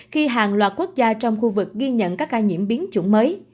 khi hàng loạt quốc gia trong khu vực ghi nhận các ca nhiễm biến chủng mới